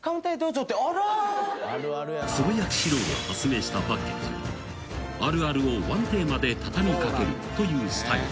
［つぶやきシローが発明したパッケージはあるあるをワンテーマで畳み掛けるというスタイル］